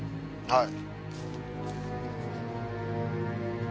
はい。